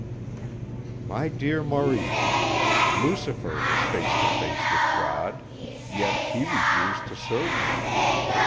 "My dear Maurice, Lucifer was face to face with God, yet he refused to serve Him.